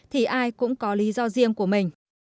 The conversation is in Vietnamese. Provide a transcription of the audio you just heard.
thì ai cũng có lý do riêng của mình